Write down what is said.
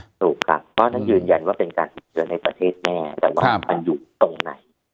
ถูกครับก็นักยืนยันว่าเป็นการถูกเชือกในประเทศแน่แต่ว่ามันอยู่ตรงไหน